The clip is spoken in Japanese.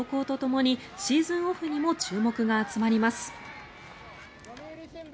ＦＡの動向とともにシーズンオフにも注目が集まります。